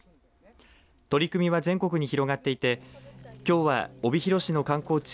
取り組みは全国に広がっていてきょうは帯広市の観光地